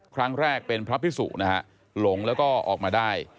ครั้งแรกเป็นพระพิสุนะฮะหลงแล้วก็ออกมาได้